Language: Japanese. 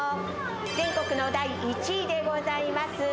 全国の第１位でございます。